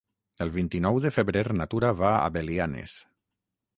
El vint-i-nou de febrer na Tura va a Belianes.